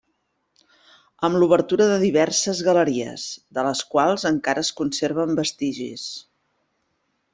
Amb l'obertura de diverses galeries, de les quals encara es conserven vestigis.